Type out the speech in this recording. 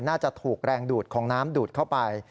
น่าจะถูกแรงดูดของน้ำดูดเข้าไป